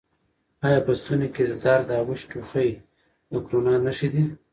آیا په ستوني کې درد او وچ ټوخی د کرونا نښې دي؟